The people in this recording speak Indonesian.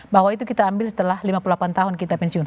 bahwa itu kita ambil setelah lima puluh delapan tahun kita pensiun